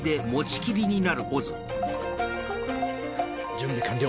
準備完了。